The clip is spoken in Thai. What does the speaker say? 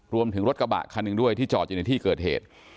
รถกระบะคันหนึ่งด้วยที่จอดอยู่ในที่เกิดเหตุ